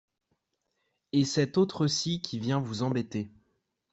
Et cet autre-ci qui vient vous embêter.